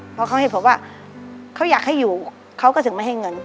เพราะเขาให้ผมว่าเขาอยากให้อยู่เขาก็ถึงไม่ให้เงิน